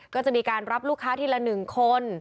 ก็จะมีการรับลูกค้าทีละ๑คน